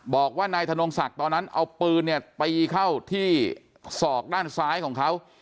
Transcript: บอกว่านายธนงศักดิ์ตอนนั้นเอาปืนเนี่ยตีเข้าที่ศอกด้านซ้ายของเขา